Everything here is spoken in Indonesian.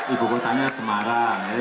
ibu kotanya semarang